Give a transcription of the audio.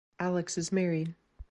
Alex is married.